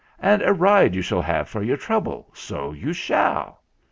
And a ride you shall have for your trouble, so you shall."